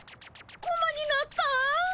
コマになったん？